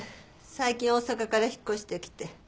最近大阪から引っ越してきて。